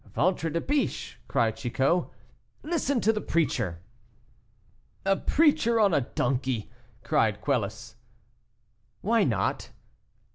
"Ventre de biche!" cried Chicot, "listen to the preacher." "A preacher on a donkey!" cried Quelus. "Why not?"